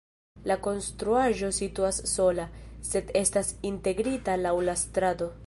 La konstruaĵo situas sola, sed estas integrita laŭ la strato.